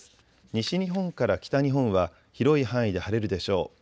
西日本から北日本は広い範囲で晴れるでしょう。